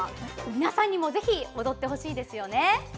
皆さんにもぜひ踊ってほしいですよね。